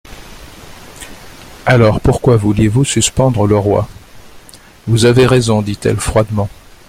Alors, pourquoi vouliez-vous surprendre le roi ? Vous avez raison, dit-elle froidement.